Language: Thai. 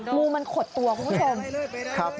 งูมันขดตัวคุณผู้ชม